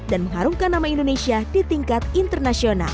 dan mengharumkan nama indonesia di tingkat internasional